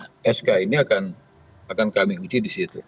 sehingga sehingga sehingga sehingga pendahannya sk ini akan akan kami uji di situ